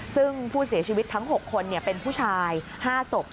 ซึ่งผู้เสียชีวิตทั้ง๖คนเป็นผู้ชาย๕ศพ